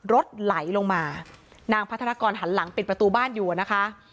รถไหลลงมานางพัฒนากรหันหลังปิดประตูบ้านอยู่นะคะ